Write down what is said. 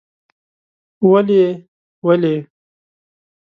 ولې؟ ولې؟؟؟ ….